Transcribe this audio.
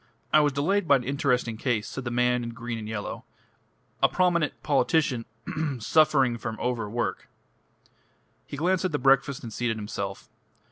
"I was delayed by an interesting case," said the man in green and yellow. "A prominent politician ahem! suffering from overwork." He glanced at the breakfast and seated himself.